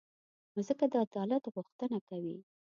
مځکه د عدالت غوښتنه کوي.